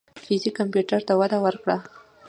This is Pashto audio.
فزیک کمپیوټر ته وده ورکړه.